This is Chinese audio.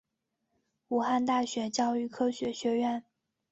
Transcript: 武汉大学教育科学学院